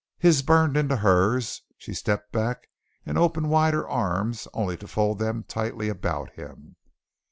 His burned into hers. She stepped back and opened wide her arms only to fold them tightly about him.